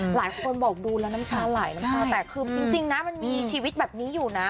หลายคนบอกดูแล้วน้ำตาไหลน้ำตาแตกคือจริงนะมันมีชีวิตแบบนี้อยู่นะ